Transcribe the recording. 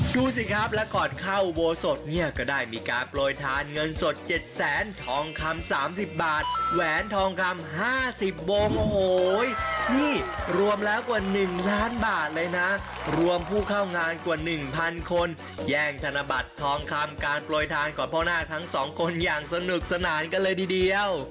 ดูสิครับแล้วก่อนเข้าโบสถเนี่ยก็ได้มีการปล่อยทานเงินสดเจ็ดแสนทองคำสามสิบบาทแหวนทองคำห้าสิบโบมโอ้โหยนี่รวมแล้วกว่าหนึ่งล้านบาทเลยน่ะรวมผู้เข้างานกว่าหนึ่งพันคนแย่งธนบัตรทองคำการปล่อยทานก่อนพ่อหน้าทั้งสองคนอย่างสนุกสนานกันเลยดีเดียว